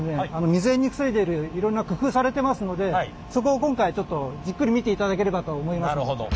未然に防いでいるいろんな工夫されてますのでそこを今回ちょっとじっくり見ていただければとは思いますので。